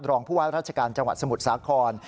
รองผู้ว่าราชการจังหวัดสมุทรสาคร